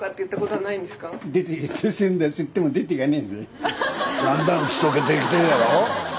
だんだん打ち解けてきてるやろ？